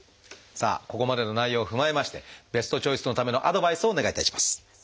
さあここまでの内容を踏まえましてベストチョイスのためのアドバイスをお願いいたします。